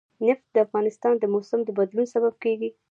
نفت د افغانستان د موسم د بدلون سبب کېږي.